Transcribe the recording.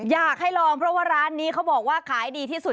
อยากให้ลองเพราะว่าร้านนี้เขาบอกว่าขายดีที่สุด